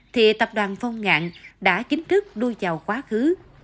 thì tập đoàn phong ngạn đã chính thức đuôi vào quá khứ